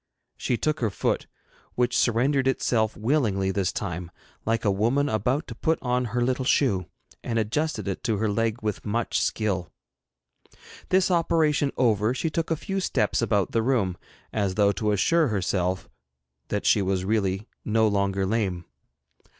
She took her foot, which surrendered itself willingly this time, like a woman about to put on her little shoe, and adjusted it to her leg with much skill. This operation over, she took a few steps about the room, as though to assure herself that she was really no longer lame.